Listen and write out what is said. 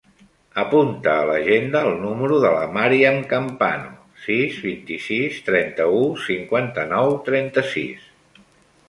Apunta a l'agenda el número de la Màriam Campano: sis, vint-i-sis, trenta-u, cinquanta-nou, trenta-sis.